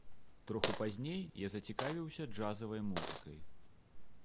Троху пазней я зацікавіўся джазавай музыкай.